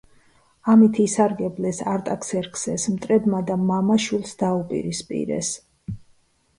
ამით ისარგებლეს არტაქსერქსეს მტრებმა და მამა შვილს დაუპირისპირეს.